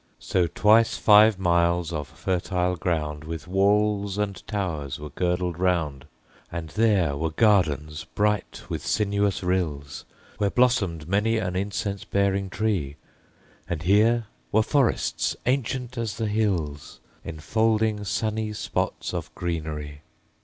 So twice five miles of fertile ground With walls and towers were girdled round: And there were gardens bright with sinuous rills, Where blossomed many an incense bearing tree; And here were forests ancient as the hills, Enfolding sunny spots of greenery.